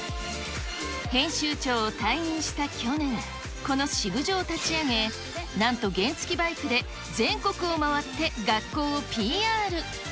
編集長を退任した去年、このシブジョを立ち上げ、なんと原付きバイクで全国を回って学校をＰＲ。